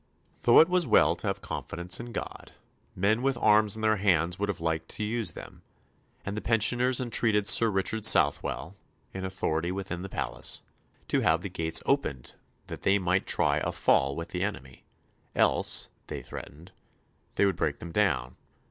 Though it was well to have confidence in God, men with arms in their hands would have liked to use them, and the pensioners entreated Sir Richard Southwell, in authority within the palace, to have the gates opened that they might try a fall with the enemy; else, they threatened, they would break them down.